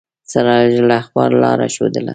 سراج الاخبار لاره ښودله.